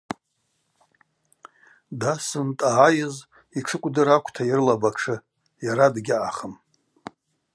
Дасын, дъагӏайыз йтшы кӏвдыр аквта йрылапӏ атшы — йара дгьаъахым.